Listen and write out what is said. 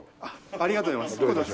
ありがとうございます。